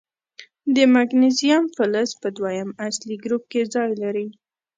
د مګنیزیم فلز په دویم اصلي ګروپ کې ځای لري.